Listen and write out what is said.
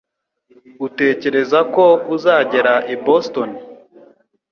Utekereza ko uzagera i Boston?